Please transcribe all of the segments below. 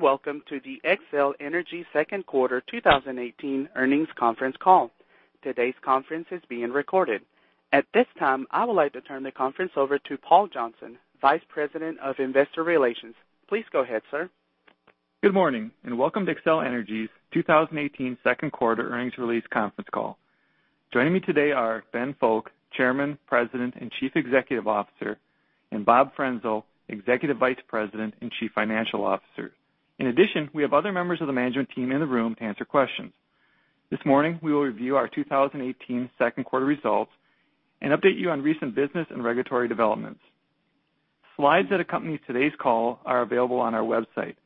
Good day, welcome to the Xcel Energy Second Quarter 2018 Earnings Conference Call. Today's conference is being recorded. At this time, I would like to turn the conference over to Paul Johnson, Vice President of Investor Relations. Please go ahead, sir. Good morning, welcome to Xcel Energy's 2018 second quarter earnings release conference call. Joining me today are Ben Fowke, Chairman, President, and Chief Executive Officer, and Bob Frenzel, Executive Vice President and Chief Financial Officer. In addition, we have other members of the management team in the room to answer questions. This morning, we will review our 2018 second quarter results and update you on recent business and regulatory developments. Slides that accompany today's call are available on our website.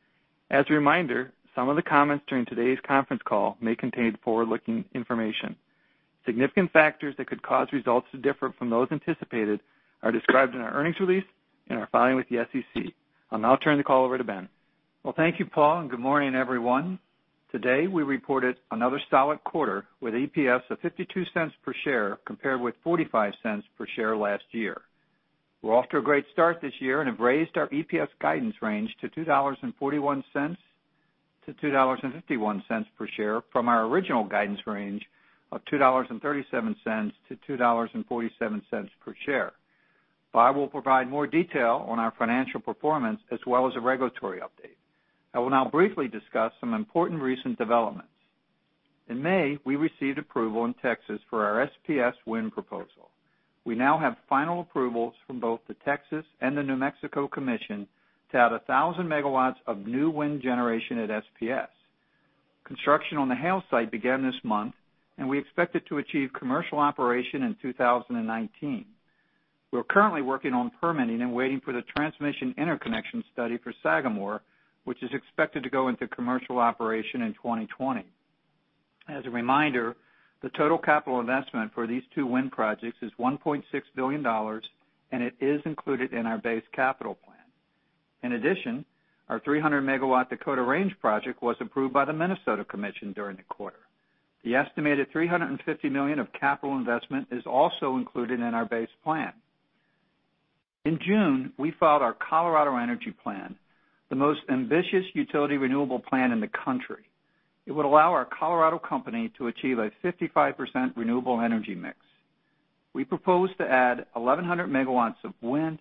As a reminder, some of the comments during today's conference call may contain forward-looking information. Significant factors that could cause results to differ from those anticipated are described in our earnings release and our filing with the SEC. I'll now turn the call over to Ben. Well, thank you, Paul, good morning, everyone. Today, we reported another solid quarter with EPS of $0.52 per share compared with $0.45 per share last year. We're off to a great start this year and have raised our EPS guidance range to $2.41-$2.51 per share from our original guidance range of $2.37-$2.47 per share. Bob will provide more detail on our financial performance as well as a regulatory update. I will now briefly discuss some important recent developments. In May, we received approval in Texas for our SPS wind proposal. We now have final approvals from both the Texas and the New Mexico Commission to add 1,000 megawatts of new wind generation at SPS. Construction on the Hale site began this month, and we expect it to achieve commercial operation in 2019. We're currently working on permitting and waiting for the transmission interconnection study for Sagamore, which is expected to go into commercial operation in 2020. As a reminder, the total capital investment for these two wind projects is $1.6 billion, and it is included in our base capital plan. In addition, our 300-megawatt Dakota Range project was approved by the Minnesota Commission during the quarter. The estimated $350 million of capital investment is also included in our base plan. In June, we filed our Colorado Energy Plan, the most ambitious utility renewable plan in the country. It would allow our Colorado company to achieve a 55% renewable energy mix. We propose to add 1,100 megawatts of wind,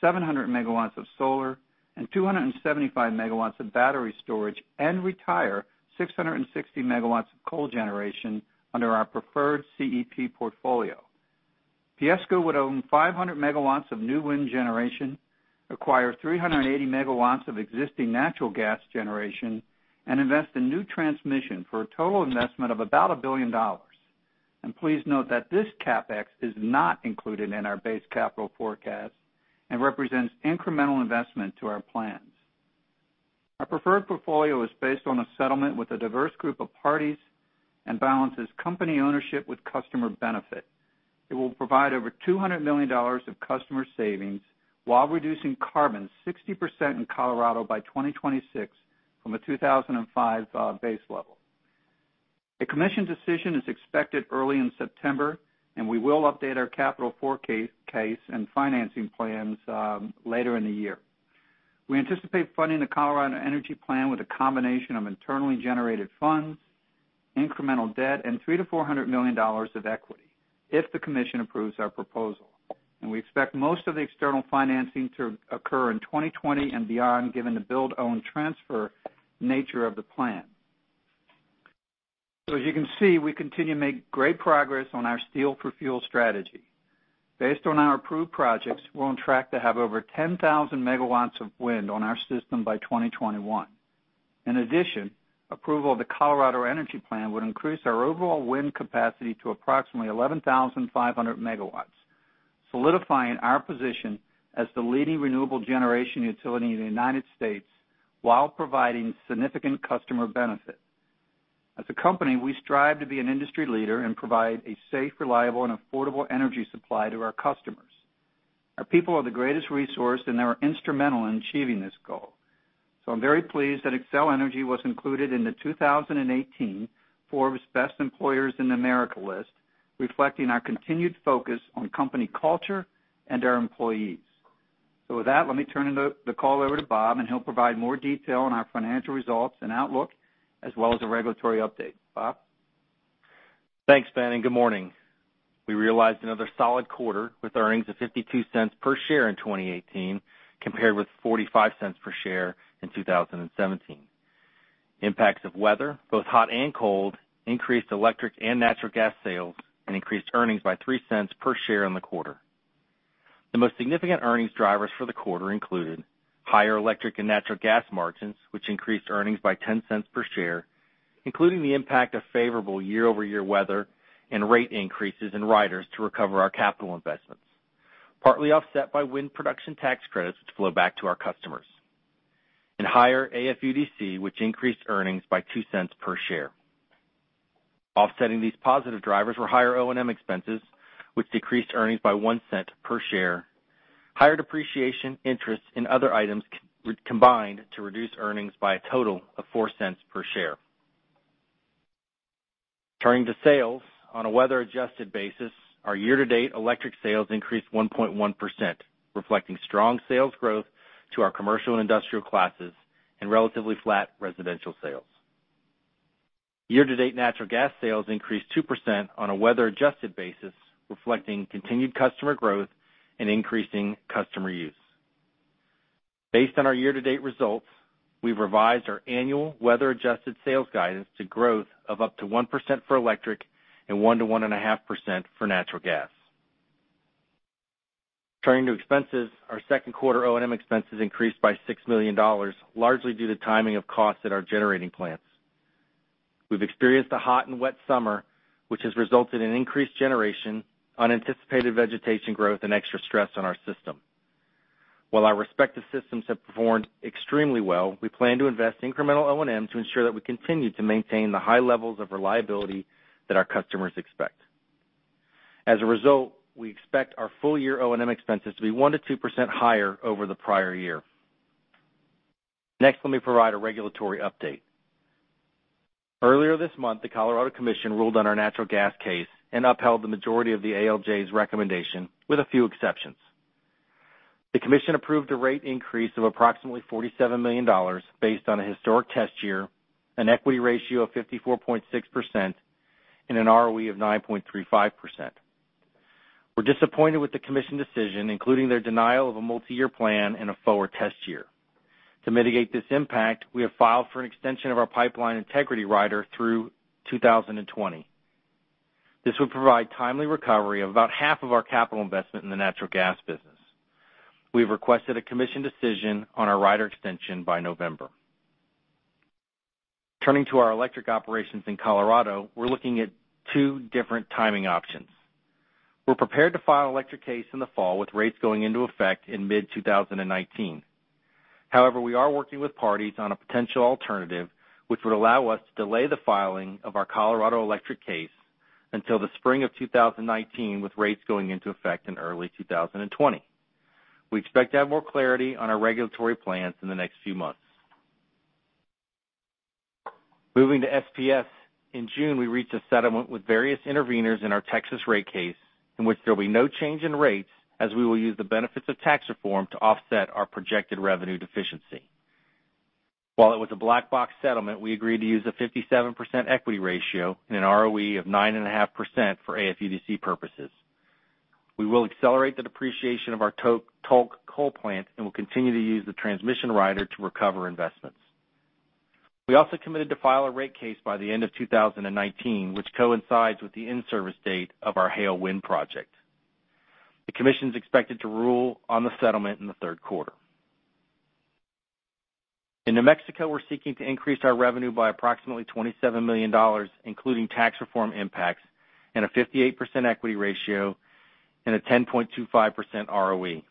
700 megawatts of solar, and 275 megawatts of battery storage and retire 660 megawatts of coal generation under our preferred CEP portfolio. PSCo would own 500 megawatts of new wind generation, acquire 380 megawatts of existing natural gas generation, and invest in new transmission for a total investment of about $1 billion. Please note that this CapEx is not included in our base capital forecast and represents incremental investment to our plans. Our preferred portfolio is based on a settlement with a diverse group of parties and balances company ownership with customer benefit. It will provide over $200 million of customer savings while reducing carbon 60% in Colorado by 2026 from a 2005 base level. A commission decision is expected early in September, and we will update our capital forecast and financing plans later in the year. We anticipate funding the Colorado Energy Plan with a combination of internally generated funds, incremental debt, and $300 million-$400 million of equity if the commission approves our proposal. We expect most of the external financing to occur in 2020 and beyond, given the build-own transfer nature of the plan. As you can see, we continue to make great progress on our steel-for-fuel strategy. Based on our approved projects, we're on track to have over 10,000 megawatts of wind on our system by 2021. In addition, approval of the Colorado Energy Plan would increase our overall wind capacity to approximately 11,500 megawatts, solidifying our position as the leading renewable generation utility in the U.S. while providing significant customer benefit. As a company, we strive to be an industry leader and provide a safe, reliable, and affordable energy supply to our customers. Our people are the greatest resource, and they are instrumental in achieving this goal. I'm very pleased that Xcel Energy was included in the 2018 Forbes Best Employers in America list, reflecting our continued focus on company culture and our employees. With that, let me turn the call over to Bob, and he'll provide more detail on our financial results and outlook as well as a regulatory update. Bob? Thanks, Ben, and good morning. We realized another solid quarter with earnings of $0.52 per share in 2018, compared with $0.45 per share in 2017. Impacts of weather, both hot and cold, increased electric and natural gas sales, and increased earnings by $0.03 per share in the quarter. The most significant earnings drivers for the quarter included higher electric and natural gas margins, which increased earnings by $0.10 per share, including the impact of favorable year-over-year weather and rate increases in riders to recover our capital investments, partly offset by wind production tax credits, which flow back to our customers. Higher AFUDC, which increased earnings by $0.02 per share. Offsetting these positive drivers were higher O&M expenses, which decreased earnings by $0.01 per share. Higher depreciation interest and other items combined to reduce earnings by a total of $0.04 per share. Turning to sales. On a weather-adjusted basis, our year-to-date electric sales increased 1.1%, reflecting strong sales growth to our commercial and industrial classes and relatively flat residential sales. Year-to-date natural gas sales increased 2% on a weather-adjusted basis, reflecting continued customer growth and increasing customer use. Based on our year-to-date results, we've revised our annual weather-adjusted sales guidance to growth of up to 1% for electric and 1%-1.5% for natural gas. Turning to expenses, our second quarter O&M expenses increased by $6 million, largely due to timing of costs at our generating plants. We've experienced a hot and wet summer, which has resulted in increased generation, unanticipated vegetation growth, and extra stress on our system. While our respective systems have performed extremely well, we plan to invest incremental O&M to ensure that we continue to maintain the high levels of reliability that our customers expect. As a result, we expect our full-year O&M expenses to be 1%-2% higher over the prior year. Next, let me provide a regulatory update. Earlier this month, the Colorado Commission ruled on our natural gas case and upheld the majority of the ALJ's recommendation, with a few exceptions. The Commission approved a rate increase of approximately $47 million based on a historic test year, an equity ratio of 54.6%, and an ROE of 9.35%. We're disappointed with the Commission decision, including their denial of a multi-year plan and a forward test year. To mitigate this impact, we have filed for an extension of our pipeline integrity rider through 2020. This would provide timely recovery of about half of our capital investment in the natural gas business. We have requested a Commission decision on our rider extension by November. Turning to our electric operations in Colorado, we're looking at two different timing options. We're prepared to file electric case in the fall with rates going into effect in mid-2019. We are working with parties on a potential alternative, which would allow us to delay the filing of our Colorado electric case until the spring of 2019, with rates going into effect in early 2020. Moving to SPS. In June, we reached a settlement with various interveners in our Texas rate case, in which there will be no change in rates, as we will use the benefits of tax reform to offset our projected revenue deficiency. While it was a black box settlement, we agreed to use a 57% equity ratio and an ROE of 9.5% for AFUDC purposes. We will accelerate the depreciation of our Tolk coal plant and will continue to use the transmission rider to recover investments. We also committed to file a rate case by the end of 2019, which coincides with the in-service date of our Hale Wind Project. The Commission's expected to rule on the settlement in the third quarter. In New Mexico, we're seeking to increase our revenue by approximately $27 million, including tax reform impacts and a 58% equity ratio and a 10.25% ROE.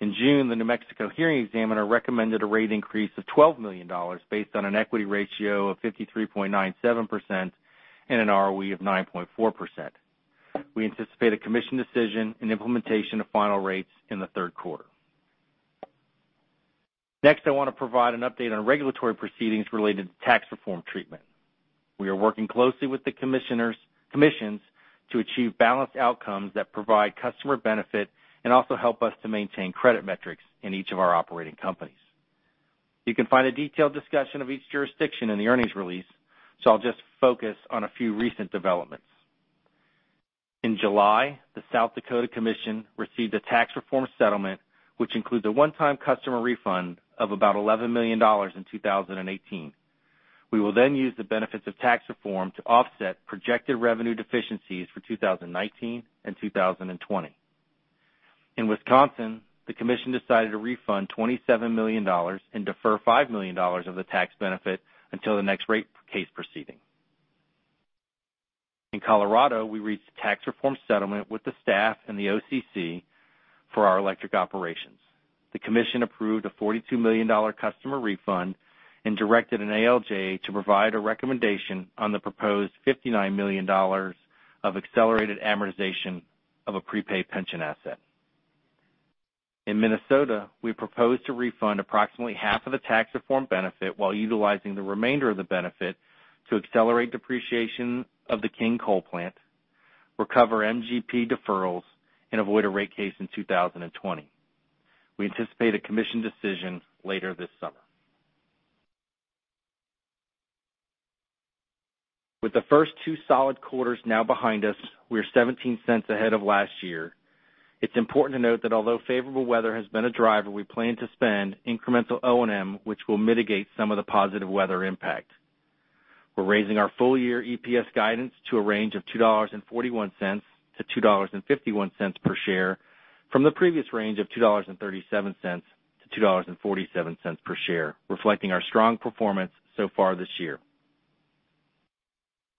In June, the New Mexico hearing examiner recommended a rate increase of $12 million based on an equity ratio of 53.97% and an ROE of 9.4%. We anticipate a Commission decision and implementation of final rates in the third quarter. Next, I want to provide an update on regulatory proceedings related to tax reform treatment. We are working closely with the commissions to achieve balanced outcomes that provide customer benefit and also help us to maintain credit metrics in each of our operating companies. You can find a detailed discussion of each jurisdiction in the earnings release, so I'll just focus on a few recent developments. In July, the South Dakota Commission received a tax reform settlement, which includes a one-time customer refund of about $11 million in 2018. We will use the benefits of tax reform to offset projected revenue deficiencies for 2019 and 2020. In Wisconsin, the Commission decided to refund $27 million and defer $5 million of the tax benefit until the next rate case proceeding. In Colorado, we reached a tax reform settlement with the staff and the OCC for our electric operations. The Commission approved a $42 million customer refund and directed an ALJ to provide a recommendation on the proposed $59 million of accelerated amortization of a prepaid pension asset. In Minnesota, we proposed to refund approximately half of the tax reform benefit while utilizing the remainder of the benefit to accelerate depreciation of the King Coal Plant, recover MGP deferrals, and avoid a rate case in 2020. We anticipate a Commission decision later this summer. With the first two solid quarters now behind us, we are $0.17 ahead of last year. It's important to note that although favorable weather has been a driver, we plan to spend incremental O&M, which will mitigate some of the positive weather impact. We're raising our full-year EPS guidance to a range of $2.41-$2.51 per share from the previous range of $2.37-$2.47 per share, reflecting our strong performance so far this year.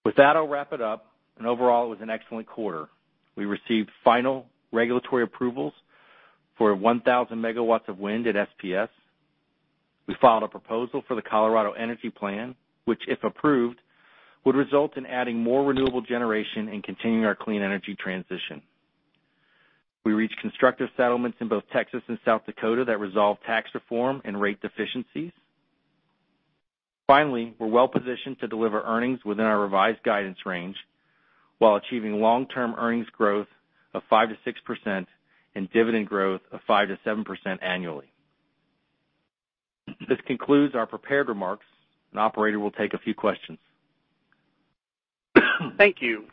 With that, I'll wrap it up. Overall, it was an excellent quarter. We received final regulatory approvals for 1,000 megawatts of wind at SPS. We filed a proposal for the Colorado Energy Plan, which, if approved, would result in adding more renewable generation and continuing our clean energy transition. We reached constructive settlements in both Texas and South Dakota that resolve tax reform and rate deficiencies. Finally, we're well-positioned to deliver earnings within our revised guidance range while achieving long-term earnings growth of 5%-6% and dividend growth of 5%-7% annually. This concludes our prepared remarks. The operator will take a few questions. Thank you.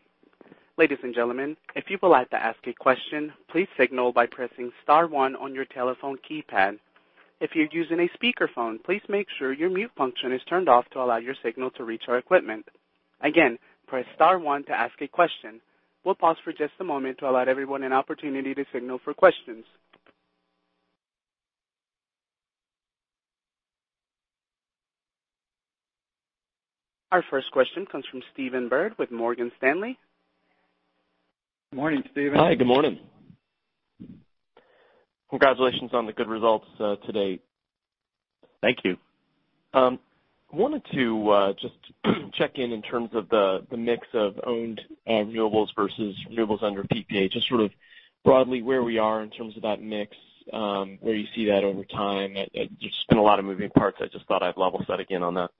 Ladies and gentlemen, if you'd like to ask a question, please signal by pressing star one on your telephone keypad. If you're using a speakerphone, please make sure your mute function is turned off to allow your signal to reach our equipment. Again, press star one to ask a question. We'll pause for just a moment to allow everyone an opportunity to signal for questions. Our first question comes from Stephen Byrd with Morgan Stanley. Morning, Stephen. Hi. Good morning. Congratulations on the good results today. Thank you. Wanted to just check in terms of the mix of owned renewables versus renewables under PPA. Just sort of broadly where we are in terms of that mix, where you see that over time. There's just been a lot of moving parts. I just thought I'd level set again on that.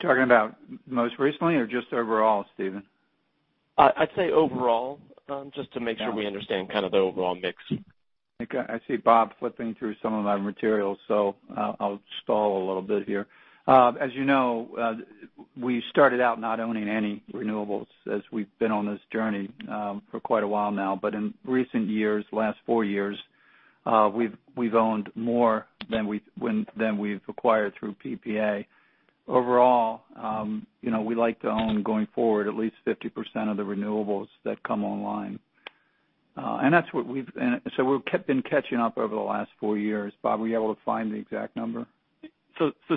Talking about most recently or just overall, Stephen? I'd say overall, just to make sure we understand kind of the overall mix. Okay. I see Bob flipping through some of my materials, I'll stall a little bit here. As you know, we started out not owning any renewables as we've been on this journey for quite a while now. In recent years, last four years, we've owned more than we've acquired through PPA. Overall, we like to own, going forward, at least 50% of the renewables that come online. We've been catching up over the last four years. Bob, were you able to find the exact number?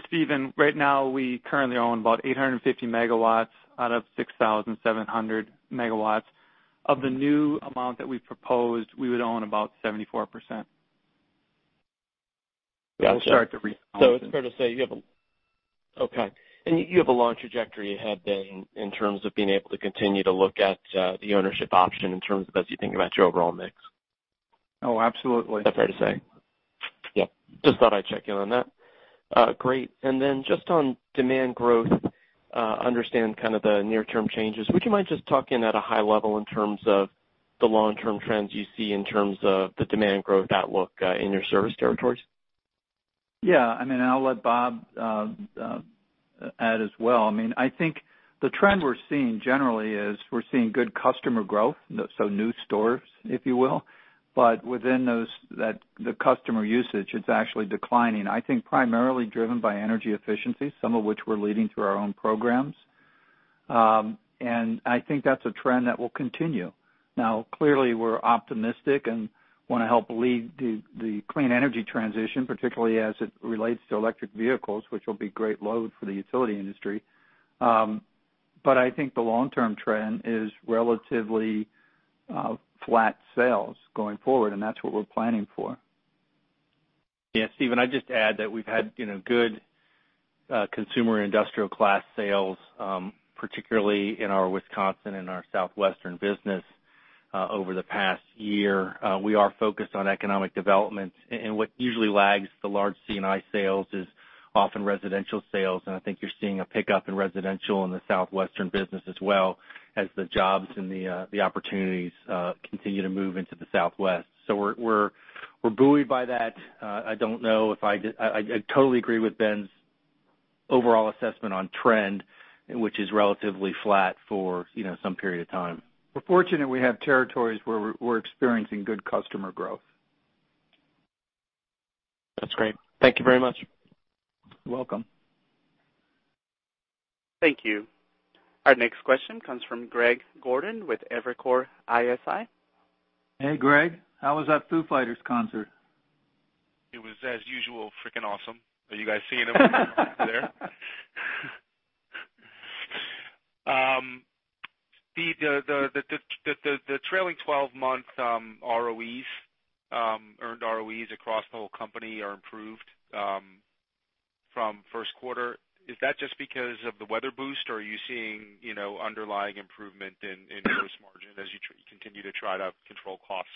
Stephen, right now, we currently own about 850 megawatts out of 6,700 megawatts. Of the new amount that we proposed, we would own about 74%. Gotcha. We'll start to re- It's fair to say you have a Okay. You have a long trajectory ahead, Ben, in terms of being able to continue to look at the ownership option in terms of as you think about your overall mix. Absolutely. Is that fair to say? Yep. Just thought I'd check in on that. Great. Then just on demand growth, understand kind of the near-term changes. Would you mind just talking at a high level in terms of the long-term trends you see in terms of the demand growth outlook in your service territories? I mean, I'll let Bob add as well. I think the trend we're seeing generally is we're seeing good customer growth, so new stores, if you will. Within the customer usage, it's actually declining, I think primarily driven by energy efficiency, some of which we're leading through our own programs. I think that's a trend that will continue. Now, clearly we're optimistic and want to help lead the clean energy transition, particularly as it relates to electric vehicles, which will be great load for the utility industry. I think the long-term trend is relatively flat sales going forward, and that's what we're planning for. Stephen, I'd just add that we've had good consumer and industrial class sales, particularly in our Wisconsin and our Southwestern Business over the past year. We are focused on economic development. What usually lags the large C&I sales is often residential sales, and I think you're seeing a pickup in residential in the Southwestern Business as well as the jobs and the opportunities continue to move into the Southwest. We're buoyed by that. I totally agree with Ben's overall assessment on trend, which is relatively flat for some period of time. We're fortunate we have territories where we're experiencing good customer growth. That's great. Thank you very much. You're welcome. Thank you. Our next question comes from Greg Gordon with Evercore ISI. Hey, Greg. How was that Foo Fighters concert? It was, as usual, freaking awesome. Are you guys seeing them there? The trailing 12-month ROEs, earned ROEs across the whole company are improved from first quarter. Is that just because of the weather boost, or are you seeing underlying improvement in gross margin as you continue to try to control costs?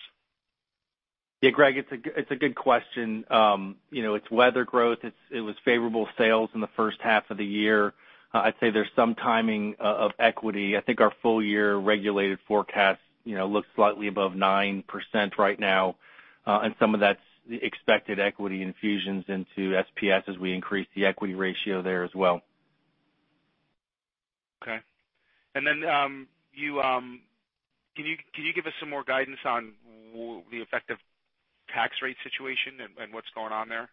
Greg, it's a good question. It's weather growth. It was favorable sales in the first half of the year. I'd say there's some timing of equity. I think our full year regulated forecast looks slightly above 9% right now. Some of that's expected equity infusions into SPS as we increase the equity ratio there as well. Okay. Then, can you give us some more guidance on the effective tax rate situation and what's going on there?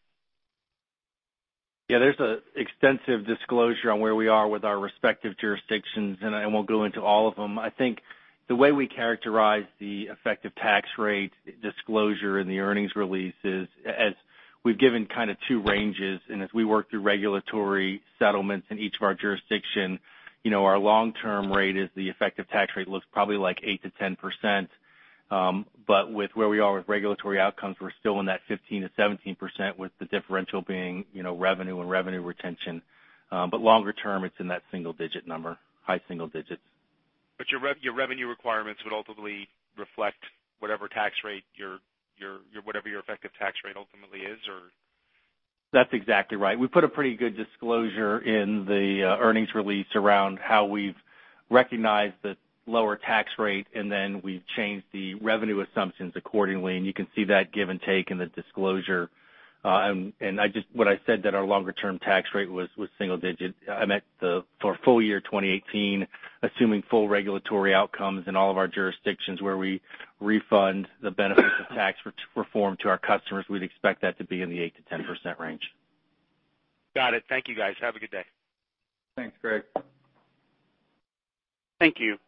There's an extensive disclosure on where we are with our respective jurisdictions, and I won't go into all of them. I think the way we characterize the effective tax rate disclosure in the earnings release is, as we've given kind of two ranges, as we work through regulatory settlements in each of our jurisdiction, our long-term rate is the effective tax rate looks probably like 8%-10%. With where we are with regulatory outcomes, we're still in that 15%-17% with the differential being revenue and revenue retention. Longer term, it's in that single-digit number, high single digits. Your revenue requirements would ultimately reflect whatever your effective tax rate ultimately is? That's exactly right. We put a pretty good disclosure in the earnings release around how we've recognized the lower tax rate, then we've changed the revenue assumptions accordingly. You can see that give and take in the disclosure. When I said that our longer-term tax rate was single digit, I meant for full year 2018, assuming full regulatory outcomes in all of our jurisdictions where we refund the benefits of tax reform to our customers, we'd expect that to be in the 8%-10% range. Got it. Thank you, guys. Have a good day. Thanks, Greg. Thank you.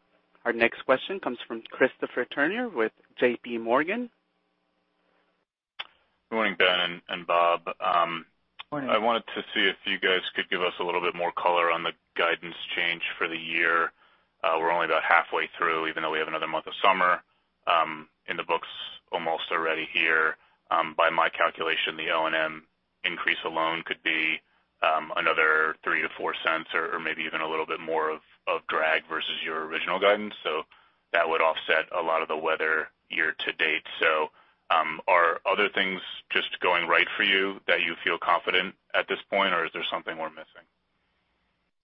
Our next question comes from Christopher Turnure with J.P. Morgan. Good morning, Ben and Bob. Morning. I wanted to see if you guys could give us a little bit more color on the guidance change for the year. We're only about halfway through, even though we have another month of summer in the books almost already here. By my calculation, the O&M increase alone could be another $0.03-$0.04 or maybe even a little bit more of drag versus your original guidance. That would offset a lot of the weather year-to-date. Are other things just going right for you that you feel confident at this point, or is there something we're missing?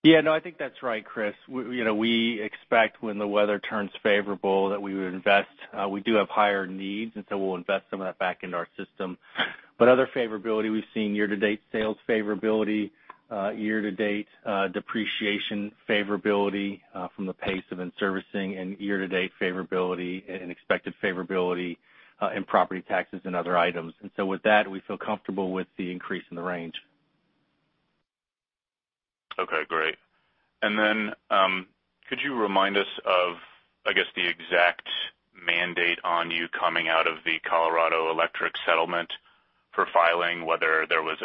Yeah, no, I think that's right, Chris. We expect when the weather turns favorable that we would invest. We do have higher needs, and we'll invest some of that back into our system. Other favorability, we've seen year-to-date sales favorability, year-to-date depreciation favorability from the pace of in-servicing, and year-to-date favorability and expected favorability in property taxes and other items. With that, we feel comfortable with the increase in the range. Okay, great. Could you remind us of, I guess, the exact mandate on you coming out of the Colorado Electric settlement for filing, whether there was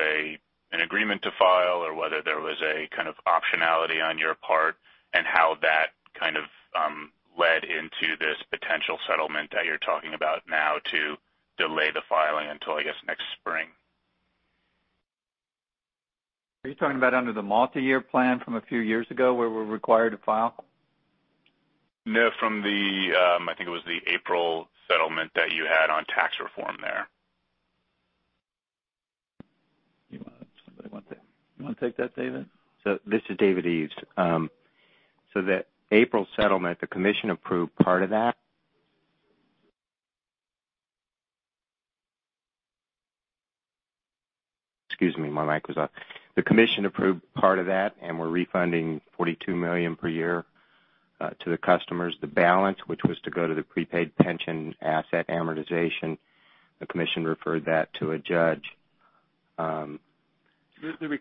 an agreement to file, or whether there was a kind of optionality on your part, and how that kind of led into this potential settlement that you're talking about now to delay the filing until, I guess, next spring? Are you talking about under the multi-year plan from a few years ago where we're required to file? From the, I think it was the April settlement that you had on tax reform there. You want to take that, David? This is David Eves. That April settlement, the commission approved part of that. Excuse me, my mic was off. The commission approved part of that, and we're refunding $42 million per year to the customers. The balance, which was to go to the prepaid pension asset amortization, the commission referred that to a judge.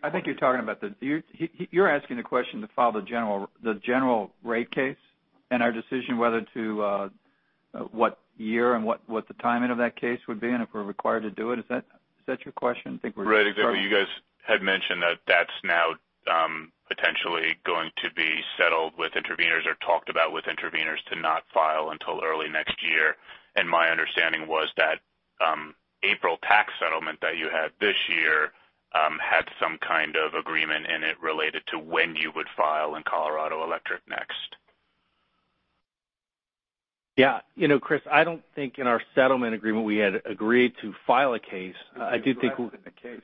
I think you're asking the question to file the general rate case and our decision what year and what the timing of that case would be and if we're required to do it. Is that your question? Right, exactly. You guys had mentioned that that's now potentially going to be settled with interveners or talked about with interveners to not file until early next year. My understanding was that April tax settlement that you had this year had some kind of agreement in it related to when you would file in Colorado Electric next. Yeah. Chris, I don't think in our settlement agreement we had agreed to file a case. You were asked in the case.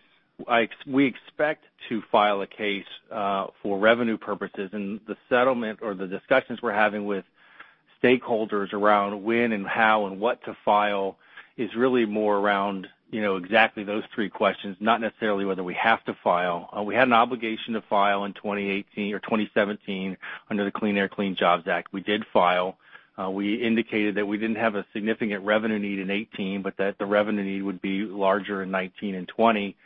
We expect to file a case for revenue purposes. The settlement or the discussions we're having with stakeholders around when and how and what to file is really more around exactly those three questions, not necessarily whether we have to file. We had an obligation to file in 2018 or 2017 under the Clean Air-Clean Jobs Act. We did file. We indicated that we didn't have a significant revenue need in 2018, but that the revenue need would be larger in 2019 and 2020.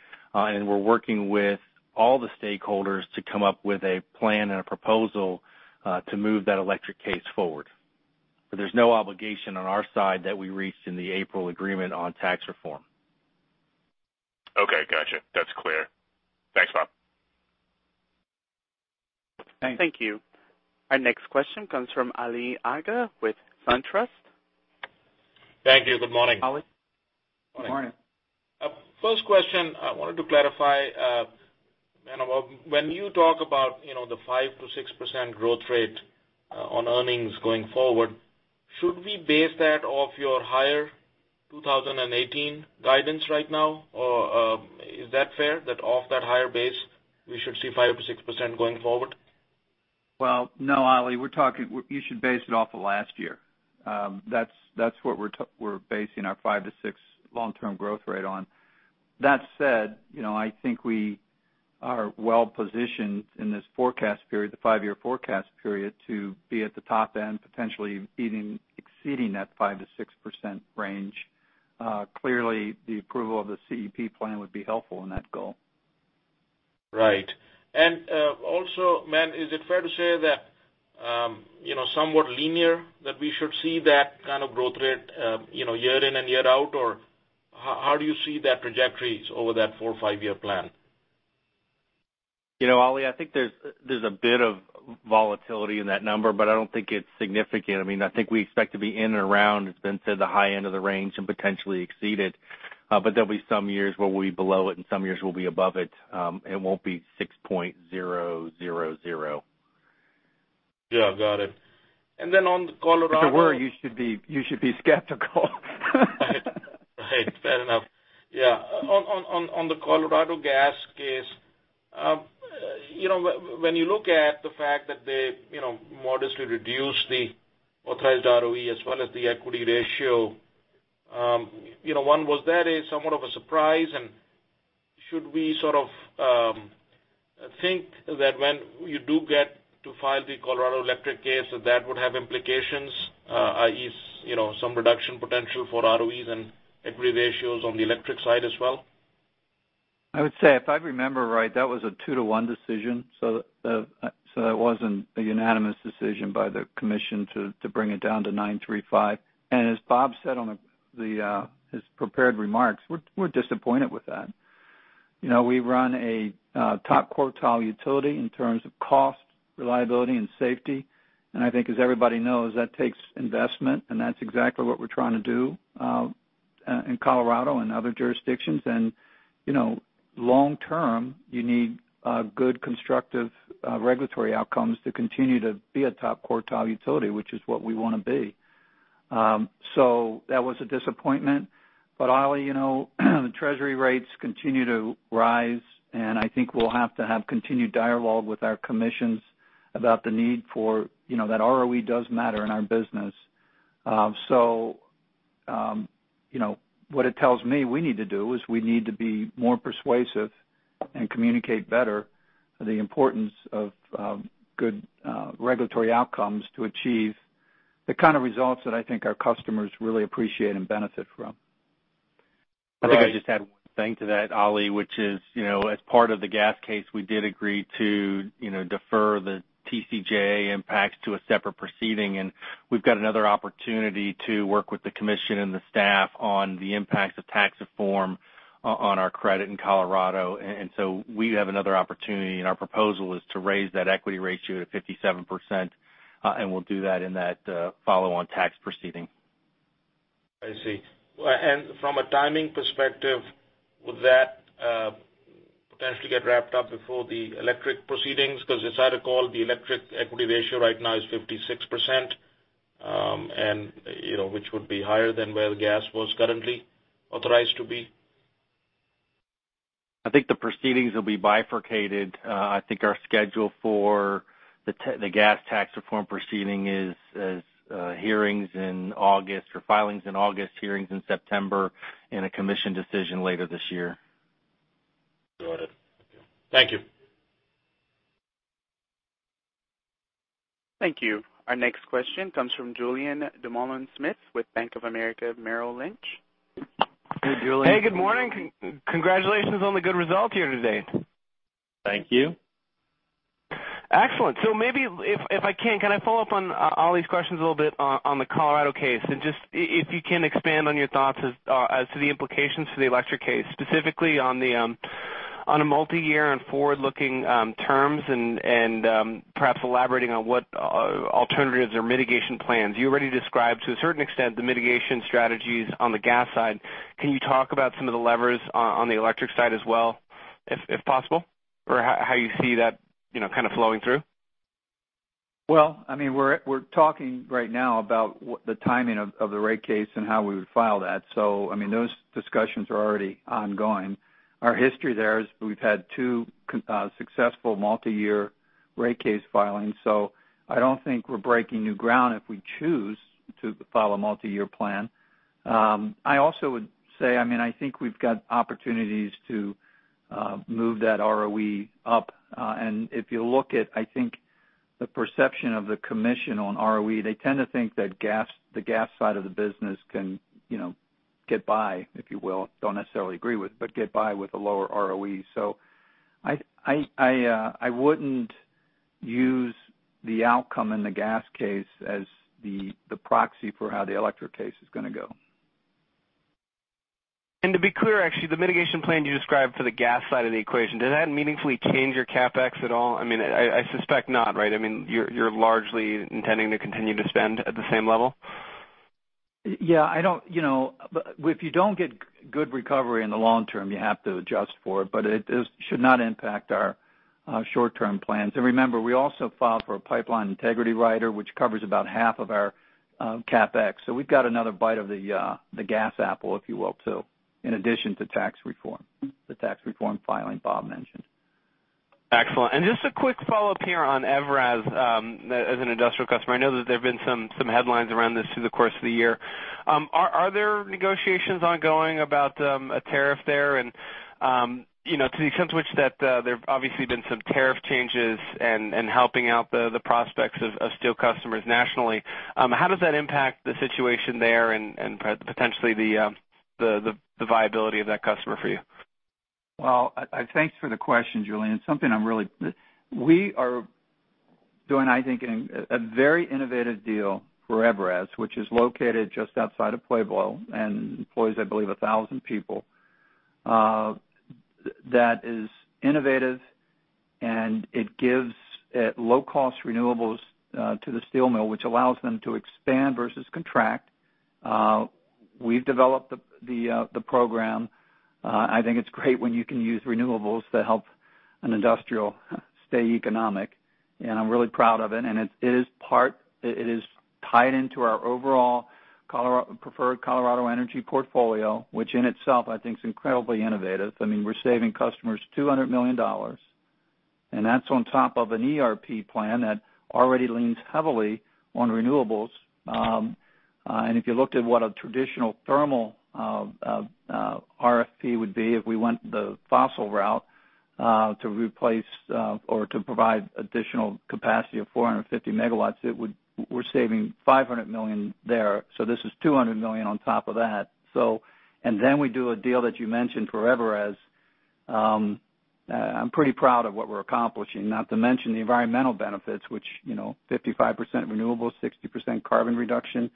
We're working with all the stakeholders to come up with a plan and a proposal to move that electric case forward. There's no obligation on our side that we reached in the April agreement on tax reform. Okay, got you. That's clear. Thanks, Bob. Thanks. Thank you. Our next question comes from Ali Agha with SunTrust. Thank you. Good morning. Morning. Morning. First question, I wanted to clarify, Ben and Bob, when you talk about the 5%-6% growth rate on earnings going forward, should we base that off your higher 2018 guidance right now? Or is that fair, that off that higher base, we should see 5%-6% going forward? No, Ali, you should base it off of last year. That's what we're basing our 5%-6% long-term growth rate on. That said, I think we are well positioned in this forecast period, the five-year forecast period, to be at the top end, potentially even exceeding that 5%-6% range. Clearly, the approval of the CEP plan would be helpful in that goal. Right. Also, Ben, is it fair to say that somewhat linear that we should see that kind of growth rate year in and year out, or how do you see that trajectories over that four or five-year plan? Ali, I think there's a bit of volatility in that number, I don't think it's significant. I think we expect to be in and around, as Ben said, the high end of the range and potentially exceed it. There'll be some years where we'll be below it, and some years we'll be above it. It won't be 6.000. Yeah, got it. Then on the Colorado- If it were, you should be skeptical. Right. Fair enough. Yeah. On the Colorado gas case, when you look at the fact that they modestly reduced the authorized ROE as well as the equity ratio, one, was that somewhat of a surprise? Should we sort of think that when you do get to file the Colorado Electric case, that would have implications, i.e., some reduction potential for ROEs and equity ratios on the electric side as well? I would say, if I remember right, that was a two-to-one decision, that wasn't a unanimous decision by the commission to bring it down to 935. As Bob said on his prepared remarks, we're disappointed with that. We run a top-quartile utility in terms of cost, reliability, and safety. I think as everybody knows, that takes investment, and that's exactly what we're trying to do, in Colorado and other jurisdictions. Long term, you need good constructive regulatory outcomes to continue to be a top-quartile utility, which is what we want to be. That was a disappointment. Ali, the treasury rates continue to rise, and I think we'll have to have continued dialogue with our commissions about that ROE does matter in our business. What it tells me we need to do is we need to be more persuasive and communicate better the importance of good regulatory outcomes to achieve the kind of results that I think our customers really appreciate and benefit from. If I could just add one thing to that, Ali, which is, as part of the gas case, we did agree to defer the TCJA impacts to a separate proceeding, and we've got another opportunity to work with the commission and the staff on the impacts of tax reform on our credit in Colorado. We have another opportunity, and our proposal is to raise that equity ratio to 57%, and we'll do that in that follow-on tax proceeding. I see. From a timing perspective, would that potentially get wrapped up before the electric proceedings? Because as I recall, the electric equity ratio right now is 56%, which would be higher than where the gas was currently authorized to be. I think the proceedings will be bifurcated. I think our schedule for the gas tax reform proceeding is hearings in August or filings in August, hearings in September, and a commission decision later this year. Got it. Thank you. Thank you. Our next question comes from Julien Dumoulin-Smith with Bank of America Merrill Lynch. Hey, Julien. Hey, good morning. Congratulations on the good result here today. Thank you. Excellent. Maybe if I can follow up on Ali's questions a little bit on the Colorado case? Just if you can expand on your thoughts as to the implications for the electric case, specifically on a multi-year and forward-looking terms and perhaps elaborating on what alternatives or mitigation plans you already described, to a certain extent, the mitigation strategies on the gas side. Can you talk about some of the levers on the electric side as well, if possible? How you see that flowing through? Well, we're talking right now about the timing of the rate case and how we would file that. Those discussions are already ongoing. Our history there is we've had two successful multi-year rate case filings, I don't think we're breaking new ground if we choose to file a multi-year plan. I also would say, I think we've got opportunities to move that ROE up. If you look at, I think, the perception of the commission on ROE, they tend to think that the gas side of the business can get by, if you will. Don't necessarily agree with, but get by with a lower ROE. I wouldn't use the outcome in the gas case as the proxy for how the electric case is going to go. To be clear, actually, the mitigation plan you described for the gas side of the equation, did that meaningfully change your CapEx at all? I suspect not, right? You're largely intending to continue to spend at the same level? If you don't get good recovery in the long term, you have to adjust for it, but it should not impact our short-term plans. Remember, we also filed for a pipeline integrity rider, which covers about half of our CapEx. We've got another bite of the gas apple, if you will, too, in addition to tax reform. The tax reform filing Bob mentioned. Excellent. Just a quick follow-up here on Evraz, as an industrial customer. I know that there've been some headlines around this through the course of the year. Are there negotiations ongoing about a tariff there? To the extent which that there've obviously been some tariff changes and helping out the prospects of steel customers nationally, how does that impact the situation there and potentially the viability of that customer for you? Thanks for the question, Julien. We are doing, I think, a very innovative deal for Evraz, which is located just outside of Pueblo and employs, I believe, 1,000 people. That is innovative, and it gives low-cost renewables to the steel mill, which allows them to expand versus contract. We've developed the program. I think it's great when you can use renewables to help an industrial stay economic, and I'm really proud of it, and it is tied into our overall preferred Colorado energy portfolio, which in itself, I think is incredibly innovative. We're saving customers $200 million, and that's on top of an ERP plan that already leans heavily on renewables. If you looked at what a traditional thermal, RFP would be, if we went the fossil route, to replace or to provide additional capacity of 450 megawatts, we're saving $500 million there. This is $200 million on top of that. Then we do a deal that you mentioned for Evraz, I'm pretty proud of what we're accomplishing, not to mention the environmental benefits, which 55% renewables, 60% carbon reduction.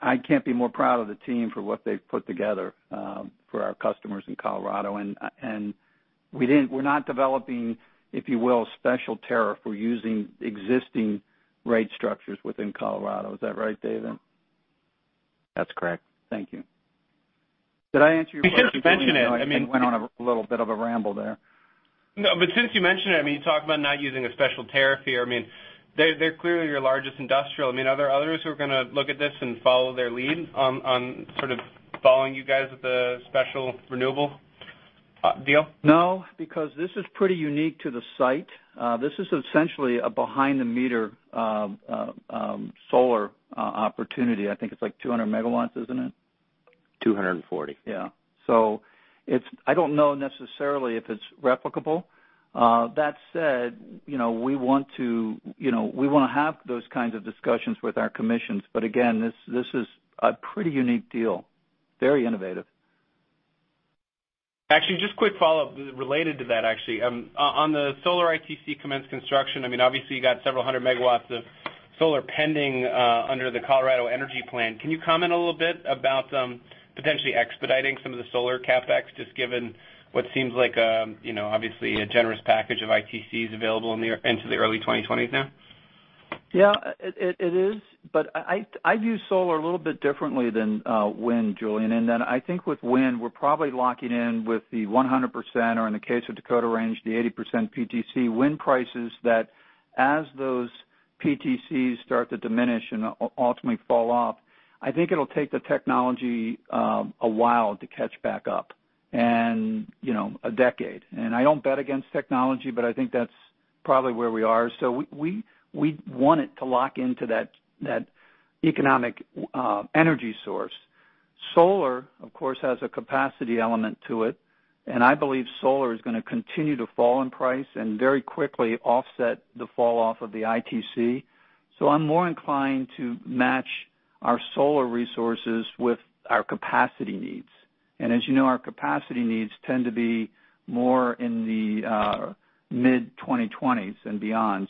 I can't be more proud of the team for what they've put together, for our customers in Colorado. We're not developing, if you will, special tariff. We're using existing rate structures within Colorado. Is that right, David? That's correct. Thank you. Did I answer your question? Since you mentioned it. I went on a little bit of a ramble there. No, since you mentioned it, you talked about not using a special tariff here. They're clearly your largest industrial. Are there others who are going to look at this and follow their lead on following you guys with the special renewable deal? No, because this is pretty unique to the site. This is essentially a behind-the-meter solar opportunity. I think it's like 200 megawatts, isn't it? 240. Yeah. I don't know necessarily if it's replicable. That said, we want to have those kinds of discussions with our commissions, again, this is a pretty unique deal, very innovative. Actually, just quick follow-up related to that, actually. On the solar ITC commence construction, obviously you got several hundred megawatts of solar pending under the Colorado Energy Plan. Can you comment a little bit about potentially expediting some of the solar CapEx, just given what seems like obviously a generous package of ITCs available into the early 2020s now? Yeah, it is. I view solar a little bit differently than wind, Julien. I think with wind, we're probably locking in with the 100%, or in the case of Dakota Range, the 80% PTC wind prices that as those PTCs start to diminish and ultimately fall off, I think it'll take the technology a while to catch back up and a decade. I don't bet against technology, but I think that's probably where we are. We want it to lock into that economic energy source. Solar, of course, has a capacity element to it, and I believe solar is going to continue to fall in price and very quickly offset the falloff of the ITC. I'm more inclined to match our solar resources with our capacity needs. As you know, our capacity needs tend to be more in the mid-2020s and beyond.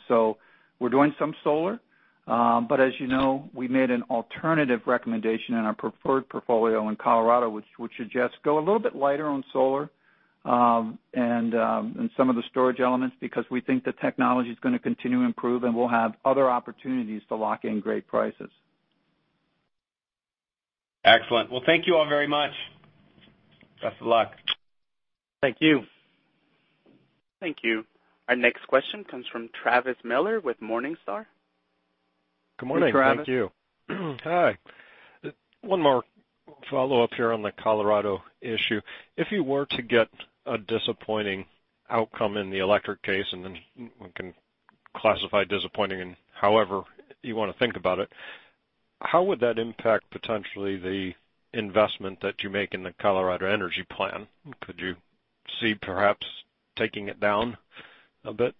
We're doing some solar. As you know, we made an alternative recommendation in our preferred portfolio in Colorado, which suggests go a little bit lighter on solar, and some of the storage elements, because we think the technology's going to continue to improve, and we'll have other opportunities to lock in great prices. Excellent. Well, thank you all very much. Best of luck. Thank you. Thank you. Our next question comes from Travis Miller with Morningstar. Good morning. Hey, Travis. Thank you. Hi. One more follow-up here on the Colorado issue. If you were to get a disappointing outcome in the electric case, and then we can classify disappointing in however you want to think about it, how would that impact potentially the investment that you make in the Colorado Energy Plan? Could you see perhaps taking it down a bit?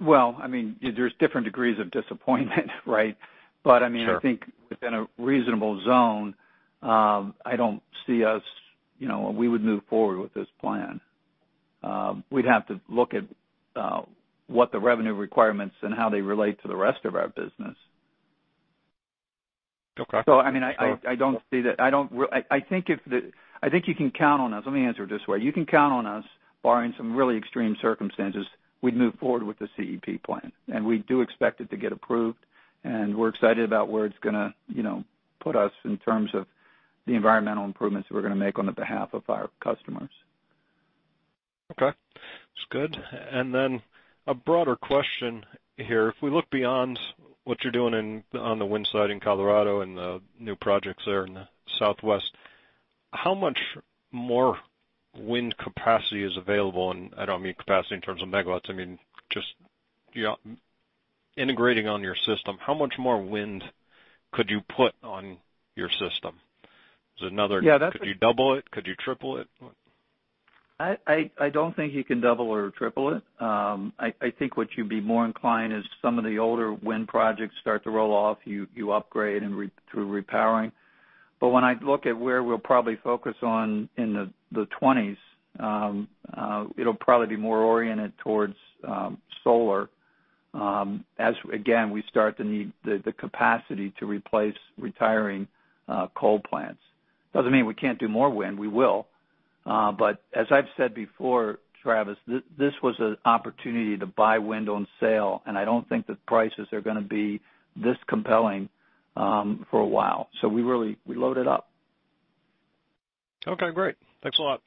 Well, there's different degrees of disappointment, right? Sure. I think within a reasonable zone, we would move forward with this plan. We'd have to look at what the revenue requirements and how they relate to the rest of our business. Okay. I think you can count on us. Let me answer it this way. You can count on us barring some really extreme circumstances, we'd move forward with the CEP plan, and we do expect it to get approved, and we're excited about where it's going to put us in terms of the environmental improvements that we're going to make on the behalf of our customers. Okay. That's good. A broader question here. If we look beyond what you're doing on the wind side in Colorado and the new projects there in the Southwest, how much more wind capacity is available? I don't mean capacity in terms of megawatts, I mean just integrating on your system, how much more wind could you put on your system? Could you double it? Could you triple it? What? I don't think you can double or triple it. I think what you'd be more inclined is some of the older wind projects start to roll off, you upgrade through repowering. When I look at where we'll probably focus on in the '20s, it'll probably be more oriented towards solar As again, we start to need the capacity to replace retiring coal plants. Doesn't mean we can't do more wind, we will. As I've said before, Travis, this was an opportunity to buy wind on sale, and I don't think that prices are going to be this compelling for a while. We really loaded up. Okay, great. Thanks a lot.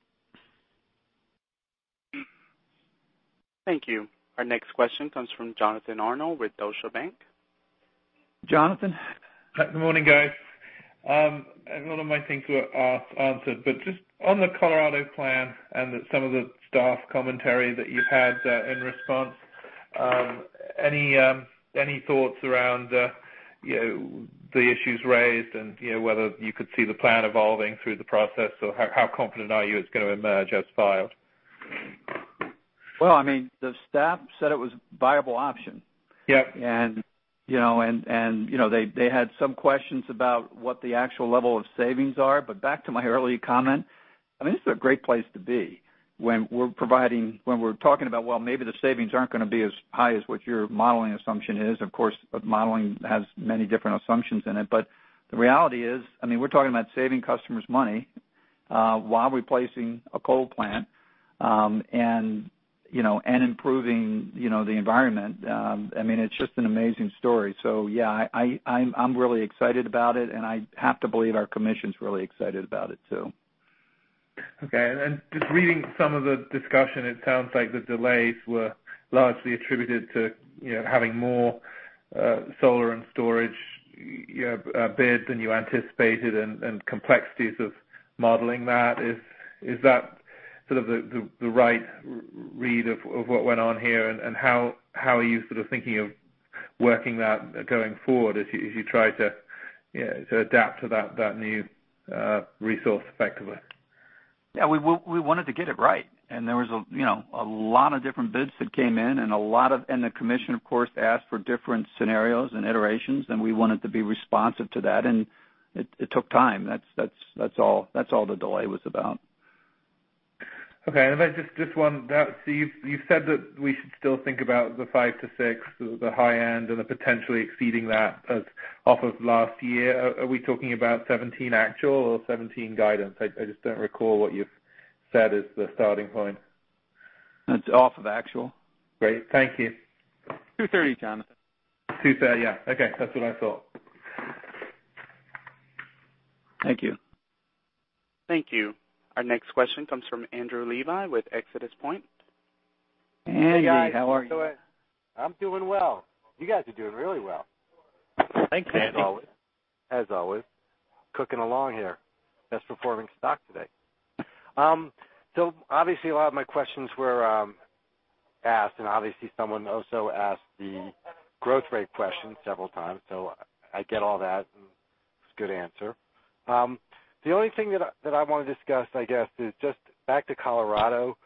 Thank you. Our next question comes from Jonathan Arnold with Deutsche Bank. Jonathan? Good morning, guys. A lot of my things were answered, just on the Colorado plan and some of the staff commentary that you've had in response, any thoughts around the issues raised and whether you could see the plan evolving through the process, or how confident are you it's going to emerge as filed? Well, the staff said it was a viable option. Yep. They had some questions about what the actual level of savings are. Back to my earlier comment, this is a great place to be when we're talking about, well, maybe the savings aren't going to be as high as what your modeling assumption is. Of course, modeling has many different assumptions in it. The reality is, we're talking about saving customers money while replacing a coal plant and improving the environment. It's just an amazing story. Yeah, I'm really excited about it, and I have to believe our commission's really excited about it, too. Okay. Just reading some of the discussion, it sounds like the delays were largely attributed to having more solar and storage bids than you anticipated and complexities of modeling that. Is that sort of the right read of what went on here, and how are you sort of thinking of working that going forward as you try to adapt to that new resource effectively? Yeah, we wanted to get it right. There was a lot of different bids that came in, and the commission, of course, asked for different scenarios and iterations, and we wanted to be responsive to that, and it took time. That's all the delay was about. Okay. If I This one. You've said that we should still think about the five to six, the high end, and the potentially exceeding that as off of last year. Are we talking about 2017 actual or 2017 guidance? I just don't recall what you've said is the starting point. It's off of actual. Great. Thank you. 230, Jonathan. 230. Yeah. Okay. That's what I thought. Thank you. Thank you. Our next question comes from Andrew Levi with ExodusPoint. Andy, how are you? Hey, guys. How are you doing? I'm doing well. You guys are doing really well. Thanks, Andy. As always. Cooking along here. Best performing stock today. Obviously, a lot of my questions were asked, and obviously, someone also asked the growth rate question several times. I get all that, and it's a good answer. The only thing that I want to discuss, I guess, is just back to Colorado.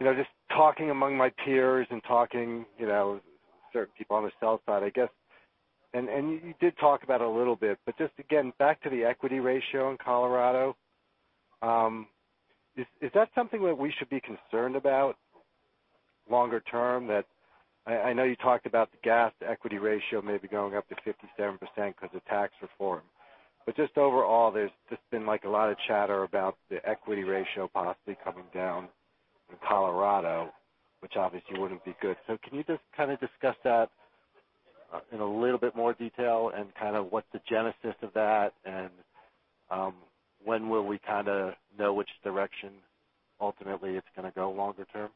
Just talking among my peers and talking certain people on the sell-side, I guess, and you did talk about a little bit, but just again, back to the equity ratio in Colorado. Is that something that we should be concerned about longer term? I know you talked about the gas-to-equity ratio maybe going up to 57% because of tax reform. Just overall, there's just been a lot of chatter about the equity ratio possibly coming down in Colorado, which obviously wouldn't be good. Can you just kind of discuss that in a little bit more detail and kind of what the genesis of that and when will we kind of know which direction ultimately it's going to go longer term?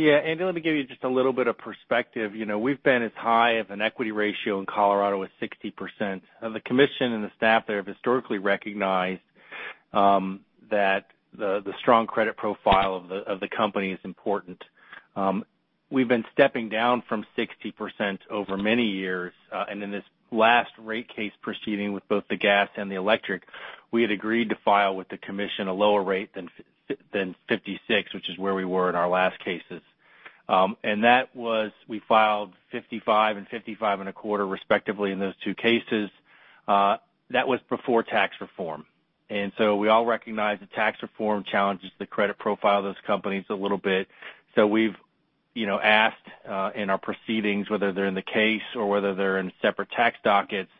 Yeah, Andy, let me give you just a little bit of perspective. We've been as high of an equity ratio in Colorado as 60%. The commission and the staff there have historically recognized that the strong credit profile of the company is important. We've been stepping down from 60% over many years. In this last rate case proceeding with both the gas and the electric, we had agreed to file with the commission a lower rate than 56, which is where we were in our last cases. That was, we filed 55 and 55 and a quarter respectively in those two cases. That was before Tax Reform. We all recognize the Tax Reform challenges the credit profile of those companies a little bit. We've asked in our proceedings, whether they're in the case or whether they're in separate tax dockets,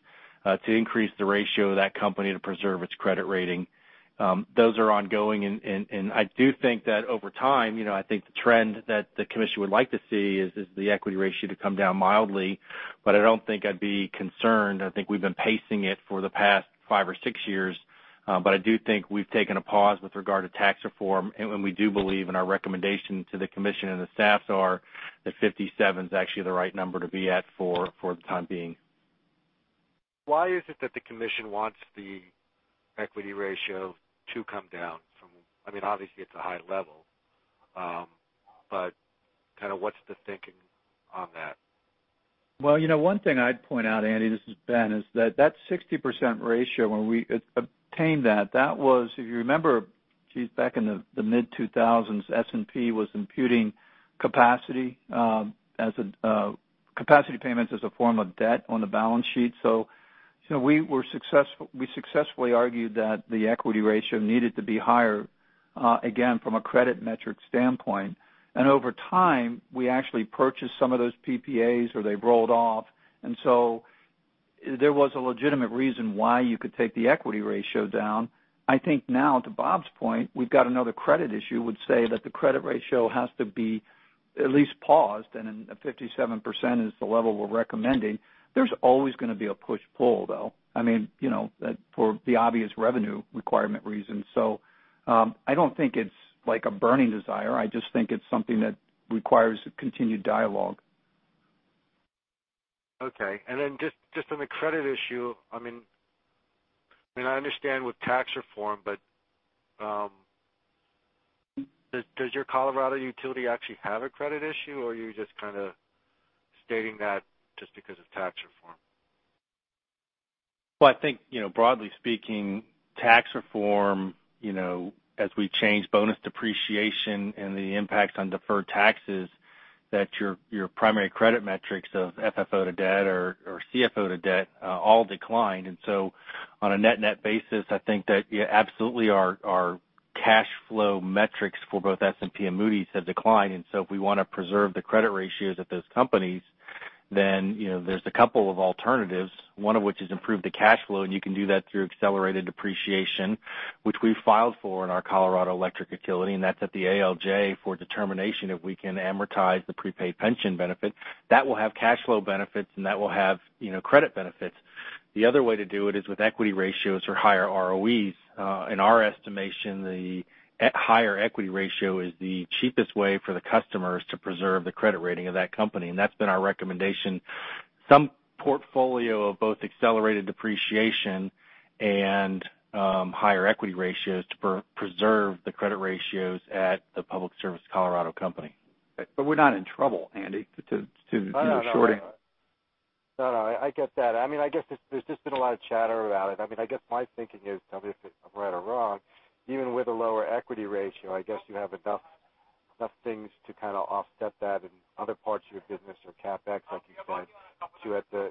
to increase the ratio of that company to preserve its credit rating. Those are ongoing, and I do think that over time, I think the trend that the commission would like to see is the equity ratio to come down mildly, but I don't think I'd be concerned. I think we've been pacing it for the past five or six years. I do think we've taken a pause with regard to Tax Reform, and we do believe in our recommendation to the commission and the staffs are that 57 is actually the right number to be at for the time being. Why is it that the commission wants the equity ratio to come down from. Obviously, it's a high level. Kind of what's the thinking on that? Well, one thing I'd point out, Andy, this is Ben, is that 60% ratio when we obtained that was, if you remember, geez, back in the mid-2000s, S&P was imputing capacity payments as a form of debt on the balance sheet. We successfully argued that the equity ratio needed to be higher, again, from a credit metric standpoint. Over time, we actually purchased some of those PPAs or they rolled off. There was a legitimate reason why you could take the equity ratio down. I think now, to Bob's point, we've got another credit issue, would say that the credit ratio has to be at least paused, 57% is the level we're recommending. There's always going to be a push-pull, though. I mean, for the obvious revenue requirement reasons. I don't think it's a burning desire. I just think it's something that requires a continued dialogue. Okay. Just on the credit issue, I understand with Tax Reform, does your Colorado utility actually have a credit issue, or are you just kind of stating that just because of Tax Reform? I think, broadly speaking, Tax Reform, as we change bonus depreciation and the impacts on deferred taxes, that your primary credit metrics of FFO to debt or CFO to debt all decline. On a net-net basis, I think that, yeah, absolutely our cash flow metrics for both S&P and Moody's have declined. If we want to preserve the credit ratios at those companies, then there's a couple of alternatives. One of which is improve the cash flow, and you can do that through accelerated depreciation, which we filed for in our Colorado Electric utility, and that's at the ALJ for determination if we can amortize the prepaid pension benefit. That will have cash flow benefits and that will have credit benefits. The other way to do it is with equity ratios or higher ROEs. In our estimation, the higher equity ratio is the cheapest way for the customers to preserve the credit rating of that company, and that's been our recommendation. Some portfolio of both accelerated depreciation and higher equity ratios to preserve the credit ratios at the Public Service Colorado company. We're not in trouble, Andy, to your shorting. I get that. I guess there's just been a lot of chatter about it. I guess my thinking is, tell me if I'm right or wrong, even with a lower equity ratio, I guess you have enough things to kind of offset that in other parts of your business or CapEx, like you said, to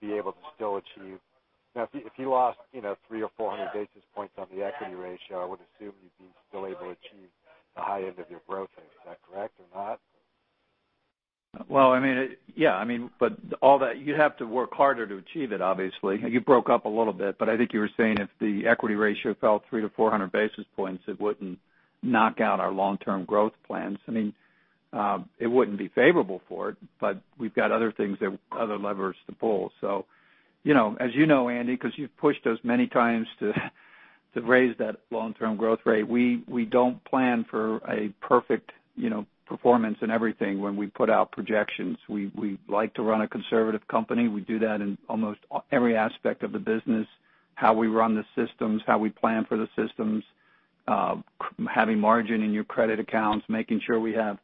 be able to still achieve. Now, if you lost 300 or 400 basis points on the equity ratio, I would assume you'd be still able to achieve the high end of your growth rate. Is that correct or not? Yeah. You'd have to work harder to achieve it, obviously. You broke up a little bit, but I think you were saying if the equity ratio fell 300 to 400 basis points, it wouldn't knock out our long-term growth plans. It wouldn't be favorable for it, but we've got other levers to pull. As you know, Andy, because you've pushed us many times to raise that long-term growth rate, we don't plan for a perfect performance in everything when we put out projections. We like to run a conservative company. We do that in almost every aspect of the business, how we run the systems, how we plan for the systems, having margin in your credit accounts, making sure we have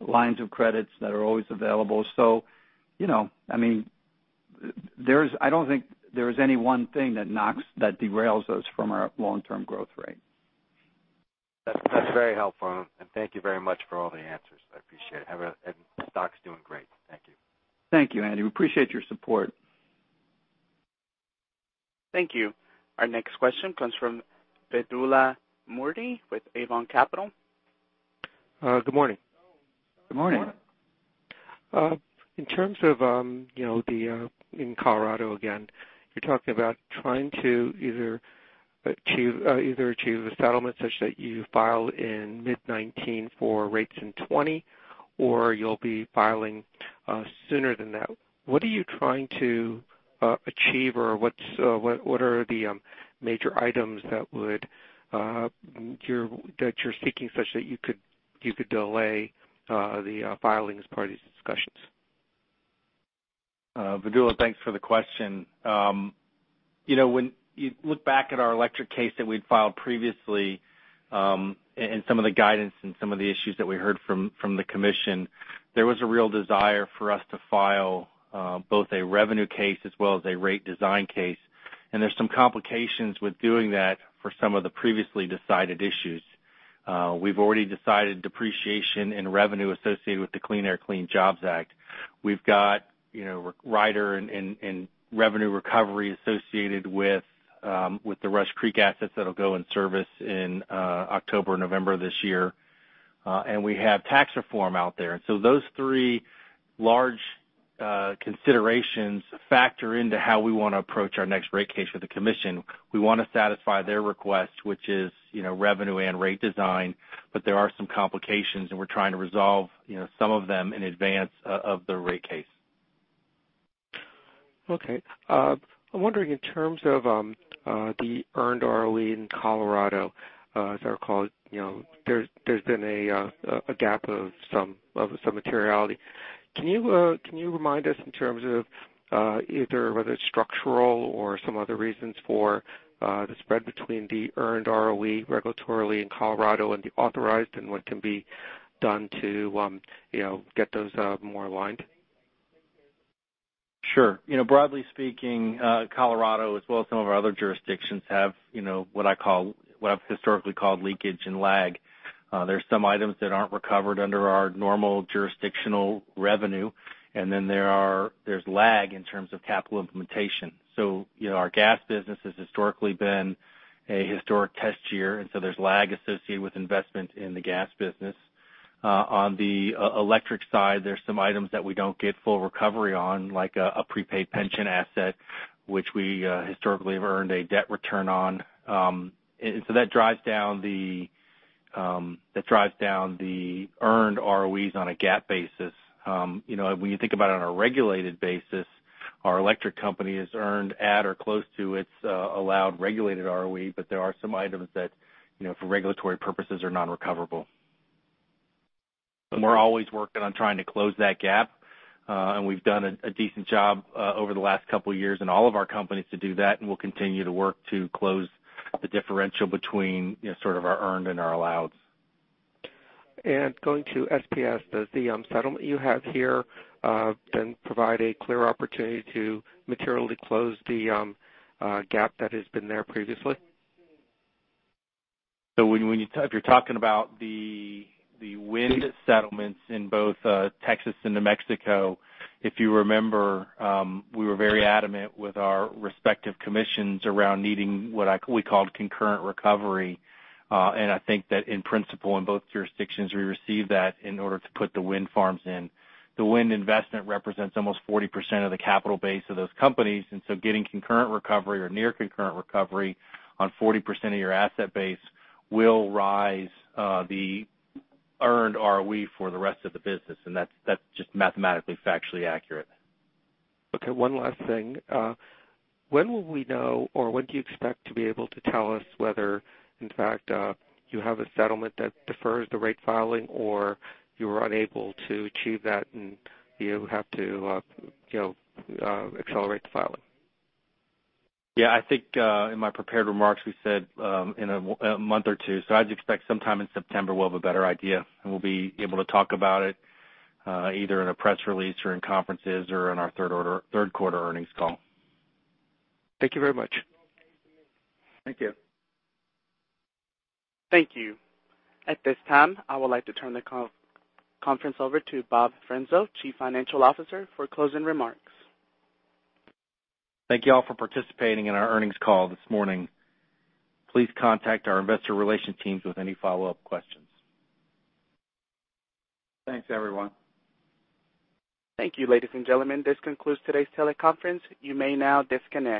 lines of credits that are always available. I don't think there is any one thing that derails us from our long-term growth rate. That's very helpful. Thank you very much for all the answers. I appreciate it. Stock's doing great. Thank you. Thank you, Andy. We appreciate your support. Thank you. Our next question comes from Vedula Murti with Avon Capital. Good morning. Good morning. In terms of in Colorado, again, you're talking about trying to either achieve a settlement such that you file in mid 2019 for rates in 2020, or you'll be filing sooner than that. What are you trying to achieve or what are the major items that you're seeking such that you could delay the filings per these discussions? Vedula, thanks for the question. When you look back at our electric case that we'd filed previously, some of the guidance and some of the issues that we heard from the commission, there was a real desire for us to file both a revenue case as well as a rate design case. There's some complications with doing that for some of the previously decided issues. We've already decided depreciation in revenue associated with the Clean Air-Clean Jobs Act. We've got rider and revenue recovery associated with the Rush Creek assets that'll go in service in October, November of this year. We have tax reform out there. Those three large considerations factor into how we want to approach our next rate case with the commission. We want to satisfy their request, which is revenue and rate design. There are some complications and we're trying to resolve some of them in advance of the rate case. Okay. I'm wondering in terms of the earned ROE in Colorado, as I recall, there's been a gap of some materiality. Can you remind us in terms of either whether it's structural or some other reasons for the spread between the earned ROE regulatorily in Colorado and the authorized and what can be done to get those more aligned? Sure. Broadly speaking, Colorado as well as some of our other jurisdictions have what I've historically called leakage and lag. There are some items that aren't recovered under our normal jurisdictional revenue, then there's lag in terms of capital implementation. Our gas business has historically been a historic test year, there's lag associated with investment in the gas business. On the electric side, there's some items that we don't get full recovery on, like a prepaid pension asset, which we historically have earned a debt return on. That drives down the earned ROEs on a gap basis. When you think about it on a regulated basis, our electric company has earned at or close to its allowed regulated ROE, but there are some items that for regulatory purposes are non-recoverable. We're always working on trying to close that gap. We've done a decent job over the last couple of years in all of our companies to do that, we'll continue to work to close the differential between sort of our earned and our alloweds. Going to SPS, does the settlement you have here then provide a clear opportunity to materially close the gap that has been there previously? If you're talking about the wind settlements in both Texas and New Mexico, if you remember, we were very adamant with our respective commissions around needing what we called concurrent recovery. I think that in principle, in both jurisdictions, we received that in order to put the wind farms in. The wind investment represents almost 40% of the capital base of those companies, getting concurrent recovery or near concurrent recovery on 40% of your asset base will raise the earned ROE for the rest of the business, that's just mathematically factually accurate. Okay, one last thing. When will we know or when do you expect to be able to tell us whether in fact, you have a settlement that defers the rate filing or you were unable to achieve that and you have to accelerate the filing? I think, in my prepared remarks, we said in a month or two. I'd expect sometime in September we'll have a better idea, and we'll be able to talk about it, either in a press release or in conferences or in our third quarter earnings call. Thank you very much. Thank you. Thank you. At this time, I would like to turn the conference over to Bob Frenzel, Chief Financial Officer, for closing remarks. Thank you all for participating in our earnings call this morning. Please contact our Investor Relations teams with any follow-up questions. Thanks, everyone. Thank you, ladies and gentlemen. This concludes today's teleconference. You may now disconnect.